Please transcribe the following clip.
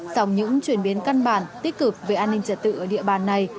sau những chuyển biến căn bản tích cực về an ninh trật tự ở địa bàn này